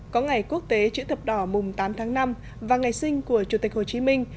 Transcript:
có ngày quốc tế chữ thập đỏ mùng tám tháng năm và ngày sinh của chủ tịch hồ chí minh